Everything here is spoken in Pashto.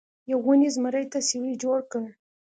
یوې ونې زمري ته سیوری جوړ کړ.